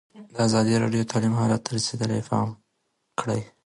ازادي راډیو د تعلیم حالت ته رسېدلي پام کړی.